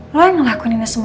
lo yang melakukan ini semua